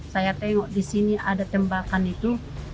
saya tengok disini ada tembakan itu